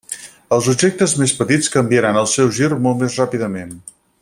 Els objectes més petits canviaran el seu gir molt més ràpidament.